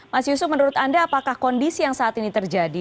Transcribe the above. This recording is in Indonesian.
mas yusuf menurut anda apakah kondisi yang saat ini terjadi